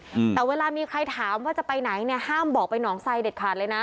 อืมแต่เวลามีใครถามว่าจะไปไหนเนี้ยห้ามบอกไปหนองไซเด็ดขาดเลยนะ